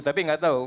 tapi tidak tahu